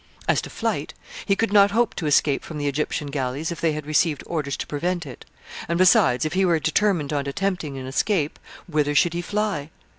As to flight, he could not hope to escape from the Egyptian galleys if they had received orders to prevent it; and, besides, if he were determined on attempting an escape, whither should he fly?